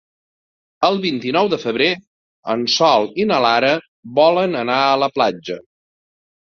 El vint-i-nou de febrer en Sol i na Lara volen anar a la platja.